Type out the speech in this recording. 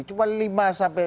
cuma lima sampai